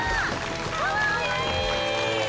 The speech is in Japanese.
・かわいい！